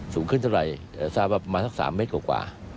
สูงขึ้นเท่าไรประมาณสัก๓เมตรกว่า